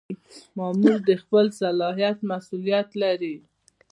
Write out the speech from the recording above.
مامور د خپل صلاحیت مسؤلیت لري.